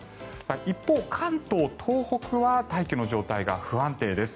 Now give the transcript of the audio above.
一方、関東、東北は大気の状態が不安定です。